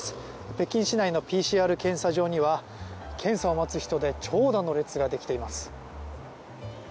北京市内のＰＣＲ検査場には検査を待つ人で長蛇の列ができています。